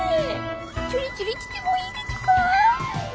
ちゅりちゅりちてもいいでちゅか？